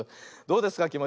「どうですか？